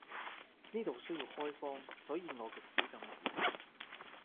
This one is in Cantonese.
呢度需要開荒，所以我極少禁言